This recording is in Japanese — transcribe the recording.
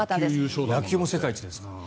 野球も世界一ですから。